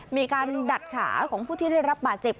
มีการดัดขาของผู้ที่ได้รับบาดเจ็บ